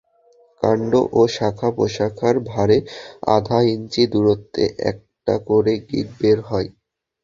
কাণ্ড ও শাখা প্রশাখার ভারে আধা ইঞ্চি দূরত্বে একটা করে গিঁট বের হয়।